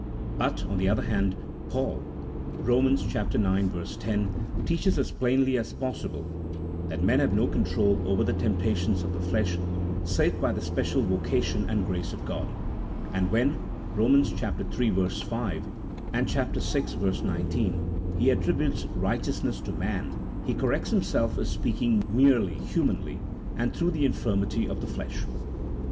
But, on the other hand, Paul (Eom. ix. 10) teaches as plainly as possible that men have no control over the temptations of the flesh save by the special voca tion and grace of God. And when (Eom. iii. 5 and vi. 19) he attributes righteousness to man, he corrects himself as speaking merely humanly and through the infirmity of the flesh.